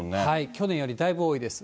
去年よりだいぶ多いです。